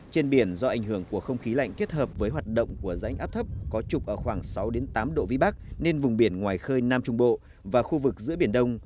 trên biển do ảnh hưởng của không khí lạnh kết hợp với hoạt động của rãnh áp thấp có trục ở khoảng sáu tám độ vĩ bắc nên vùng biển ngoài khơi nam trung bộ và khu vực giữa biển đông